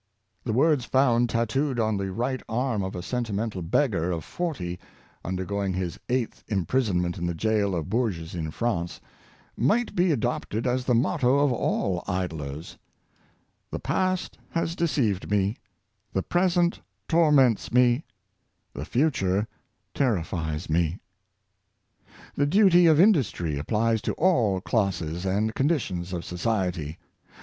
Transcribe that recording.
The words found tatooed on the right arm of a sentimental beggar of forty, undergo ing his eighth imprisonment in the jail of Bourges in France, might be adopted as the motto of all idlers: " The past has deceived me; the present torments me; the future terrifies me." The duty of industry applies to all classes and con ditions of society.